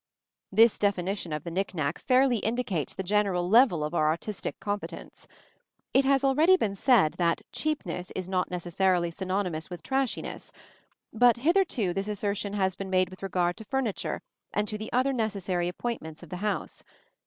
This definition of the knick knack fairly indicates the general level of our artistic competence. It has already been said that cheapness is not necessarily synonymous with trashiness; but hitherto this assertion has been made with regard to furniture and to the other necessary appointments of the house.